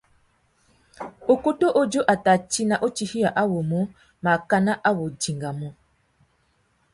Ukutu uzú a tà tina utifiya awômô makana a wô dingamú.